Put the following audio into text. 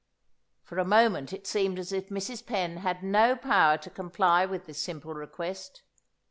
For a moment it seemed as if Mrs. Penn had no power to comply with this simple request.